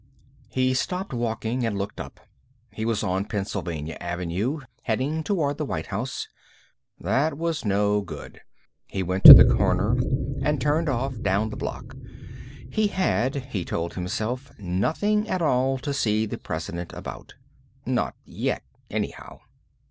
He stopped walking and looked up. He was on Pennsylvania Avenue, heading toward the White House. That was no good. He went to the corner and turned off, down the block. He had, he told himself, nothing at all to see the President about. Not yet, anyhow.